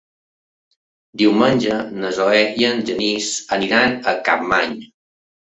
Diumenge na Zoè i en Genís aniran a Capmany.